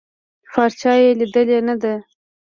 پارچه يې ليدلې نده.